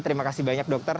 terima kasih banyak dokter